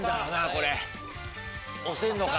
これ押せるのか？